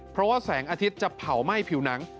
เพราะว่าแสงอาทิตย์จะเผาไหม้ผิวหนัง